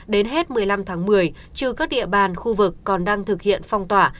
đến hết một mươi năm tháng một mươi trừ các địa bàn khu vực còn đang thực hiện phong tỏa